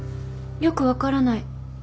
よく分からない。